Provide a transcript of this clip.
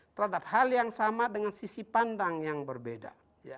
terhadap hal yang sama dengan sisi pandang yang berbeda